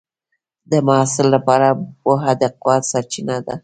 د محصل لپاره پوهه د قوت سرچینه ده.